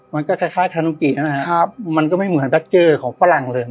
มันก็คล้ายคานุกิใช่ไหมครับมันก็ไม่เหมือนแบคเจอร์ของฝรั่งเลย